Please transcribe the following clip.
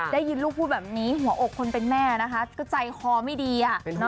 ได้ยินลูกพูดแบบนี้หัวอกคนเป็นแม่นะคะก็ใจคอไม่ดี